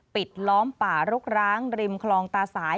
ปิดล้อมป่ารกร้างริมคลองตาสาย